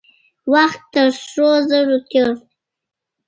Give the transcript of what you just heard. وخت تر سرو زرو تېر دی.